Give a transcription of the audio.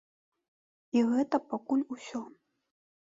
І гэта пакуль усё.